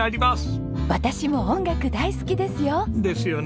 私も音楽大好きですよ！